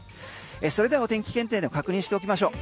それではお天気検定で確認しておきましょう。